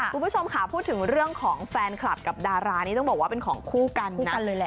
คุณผู้ชมค่ะพูดถึงเรื่องของแฟนคลับกับดารานี้ต้องบอกว่าเป็นของคู่กันนะ